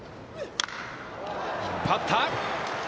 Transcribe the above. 引っ張った。